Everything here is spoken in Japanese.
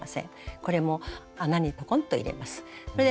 これも穴にポコンと入れます。